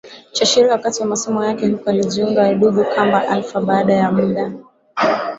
cha Sheria Wakati wa masomo yake huko alijiunga udugu Kappa Alpha Baada ya muda